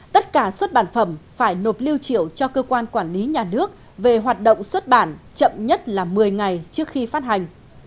tất cả xuất bản phẩm phải nộp lưu triệu cho cơ quan quản lý nhà nước về hoạt động xuất bản chậm nhất là một mươi ngày trước khi phát hành